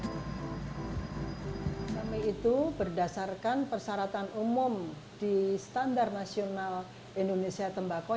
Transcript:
kami itu berdasarkan persyaratan umum di standar nasional indonesia tembakau